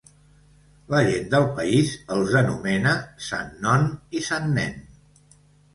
La gent del país els anomena Sant Non i Sant Nen.